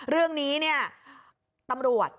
เรื่องนี้เนี่ยตำรวจ